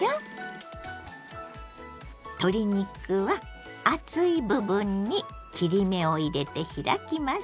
鶏肉は厚い部分に切り目を入れて開きます。